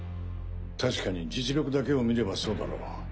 確かに実力だけを見ればそうだろう。